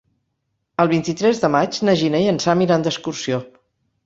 El vint-i-tres de maig na Gina i en Sam iran d'excursió.